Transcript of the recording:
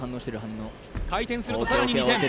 回転すると更に２点。